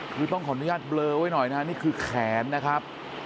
คือต้องขออนุญาตเบลอไว้หน่อยนะฮะนี่คือแขนนะครับ